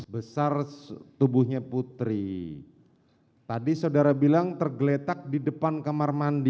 besar tubuhnya putri tadi saudara bilang tergeletak di depan kamar mandi